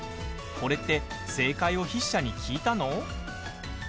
これって正解を筆者に聞いたの？